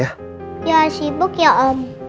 ya sibuk ya om